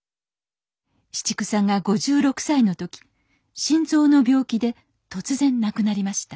紫竹さんが５６歳の時心臓の病気で突然亡くなりました